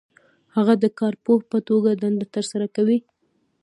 هغه د کارپوه په توګه دنده ترسره کوي.